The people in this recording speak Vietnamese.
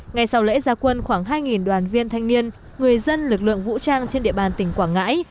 ngày sau lễ gia quân khoảng hai đoàn viên thanh niên người dân lực lượng vũ trang trên địa bàn tỉnh quảng ngãi